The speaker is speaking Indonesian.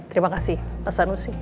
terima kasih pasan usi